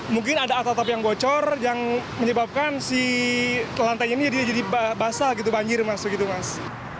mungkin ada atap atap yang bocor yang menyebabkan si lantai ini jadi basah banjir masuk gitu mas